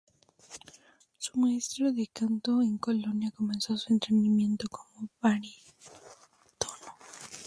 Su maestro de canto en Colonia comenzó su entrenamiento como barítono.